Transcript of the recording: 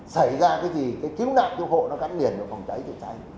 xảy ra cái gì cái cứu nạn cứu hộ nó gắn liền với phòng cháy chữa cháy